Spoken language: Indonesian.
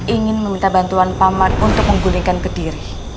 ingin meminta bantuan pak man untuk menggulingkan ke diri